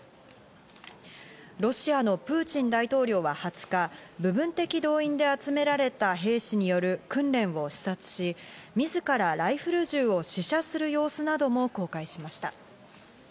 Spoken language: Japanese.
ロシアのプーチン大統領は２０日、部分的動員で集められた兵士による訓練を視察し、自らライフル銃を試射する様子なども公開しました。